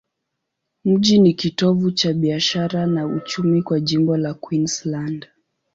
Mji ni kitovu cha biashara na uchumi kwa jimbo la Queensland.